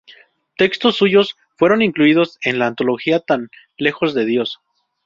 Textos suyos fueron incluidos en la antología "Tan lejos de Dios.